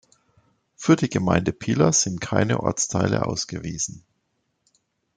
Für die Gemeinde Pila sind keine Ortsteile ausgewiesen.